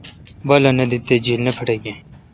بالہ نہ دیت تےجیل نہ پھٹکیں